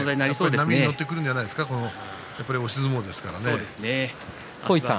波に乗ってくるんじゃないですかね、押し相撲ですから。